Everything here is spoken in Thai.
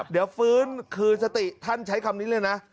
เดี๋ยวฟื้นคืนสติท่านใช้คำนี้เลยนะ